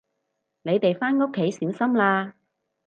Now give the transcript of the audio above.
你哋返屋企小心啦